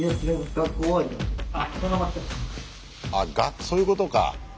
あっそういうことか。